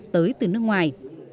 tới từ nước ngoài